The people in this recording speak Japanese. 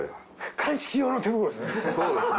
鑑識用の手袋ですね。